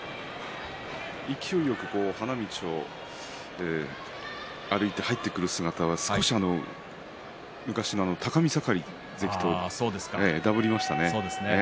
勢いよく花道を歩いて入ってくる姿は昔の高見盛関と、だぶりましたね。